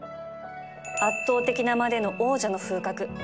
圧倒的なまでの王者の風格